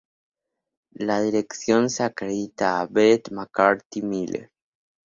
La dirección se acredita a Beth McCarthy-Miller.